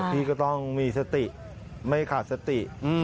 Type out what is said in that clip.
พี่ก็ต้องมีสติไม่ขาดสติ